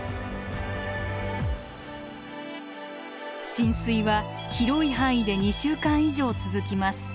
浸水は広い範囲で２週間以上続きます。